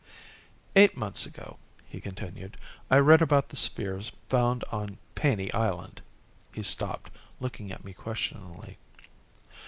"Eight months ago," he continued, "I read about the sphere found on Paney Island." He stopped, looking at me questioningly.